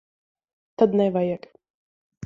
Tad nevajag.